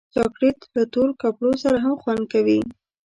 چاکلېټ له تور کپړو سره هم خوند کوي.